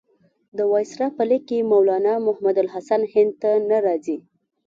د وایسرا په لیک کې مولنا محمودالحسن هند ته نه راځي.